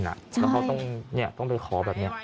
แล้วเขาต้องไปขอแบบนี้